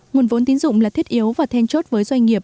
nguồn vốn tín dụng là thiết yếu và then chốt với doanh nghiệp